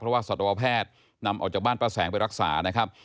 เพราะว่าสัตวแพทย์นำออกจากบ้านป้าแสงไปรักษานะครับ